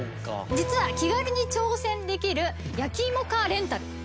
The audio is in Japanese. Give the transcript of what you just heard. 実は気軽に挑戦できる焼き芋カーレンタル。